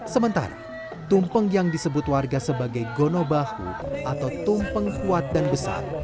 sementara tumpeng yang disebut warga sebagai gonobahu atau tumpeng kuat dan besar